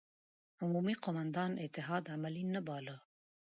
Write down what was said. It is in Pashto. عمومي قوماندان اتحاد عملي نه باله.